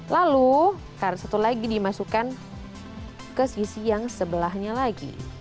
lalu karena satu lagi dimasukkan ke sisi yang sebelahnya lagi